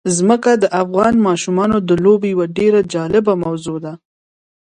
ځمکه د افغان ماشومانو د لوبو یوه ډېره جالبه موضوع ده.